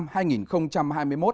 dự thảo báo cáo